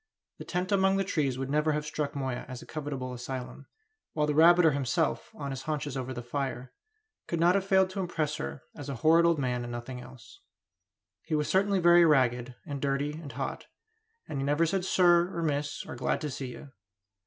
The tent among the trees would never have struck Moya as a covetable asylum, while the rabbiter himself, on his haunches over the fire, could not have failed to impress her as a horrid old man and nothing else. He was certainly very ragged, and dirty, and hot; and he never said "sir," or "miss," or "glad to see you."